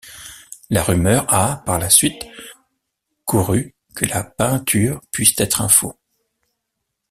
La rumeur a par la suite courue que la peinture puisse être un faux.